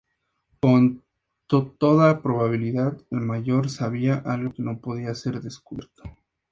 Con toda probabilidad, el Mayor sabía algo que no podía ser descubierto.